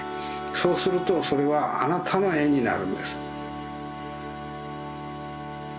そうするとそれはあなたのえになるんです。